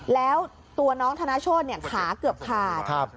แล้วตัวน้องธนชนเนี่ยขาเกือบผ่าน